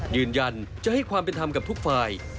ยืนยันจะให้ความเป็นธรรมกับทุกฝ่าย